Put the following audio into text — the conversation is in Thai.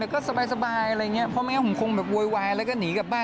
แต่ก็สบายอะไรอย่างนี้